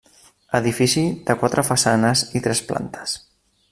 Edifici de quatre façanes i tres plantes.